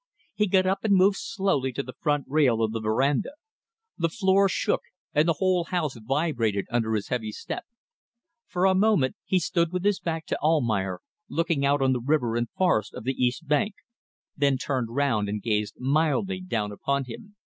He got up and moved slowly to the front rail of the verandah. The floor shook and the whole house vibrated under his heavy step. For a moment he stood with his back to Almayer, looking out on the river and forest of the east bank, then turned round and gazed mildly down upon him.